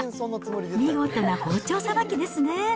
見事な包丁さばきですね。